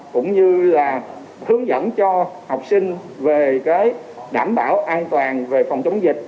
cũng như là hướng dẫn cho học sinh về đảm bảo an toàn về phòng chống dịch